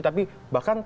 tapi kita harus menunggu